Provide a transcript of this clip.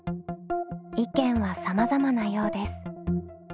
意見はさまざまなようです。